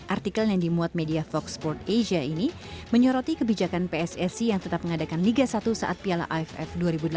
artikel yang dimuat media foxport asia ini menyoroti kebijakan pssi yang tetap mengadakan liga satu saat piala aff dua ribu delapan belas